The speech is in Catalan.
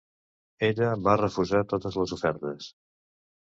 Ella va refusar totes les ofertes.